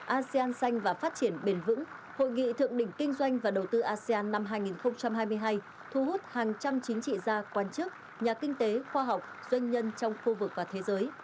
asean xanh và phát triển bền vững hội nghị thượng đỉnh kinh doanh và đầu tư asean năm hai nghìn hai mươi hai thu hút hàng trăm chính trị gia quan chức nhà kinh tế khoa học doanh nhân trong khu vực và thế giới